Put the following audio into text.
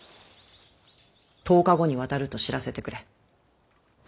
１０日後に渡ると知らせてくれ。